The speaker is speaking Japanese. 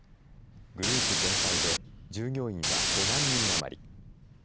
グループ全体で従業員は５万人余り。